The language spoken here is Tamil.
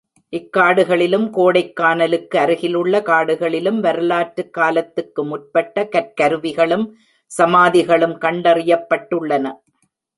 இக் காடுகளிலும், கோடைக்கானலுக் கருகிலுள்ள காடுகளிலும் வரலாற்றுக் காலத்துக்கு முற்பட்ட கற் கருவிகளும், சமாதிகளும் கண்டறியப்பட்டுள்ளன.